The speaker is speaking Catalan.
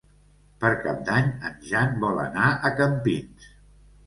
Per Cap d'Any en Jan vol anar a Campins.